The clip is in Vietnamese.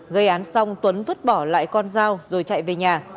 gây án xong tuấn vứt bỏ lại con dao rồi chạy về nhà